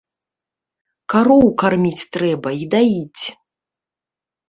Кароў карміць трэба і даіць.